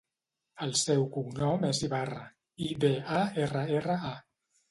El seu cognom és Ibarra: i, be, a, erra, erra, a.